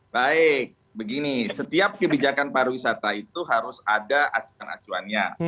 baik begini setiap kebijakan pariwisata itu harus ada acuan acuannya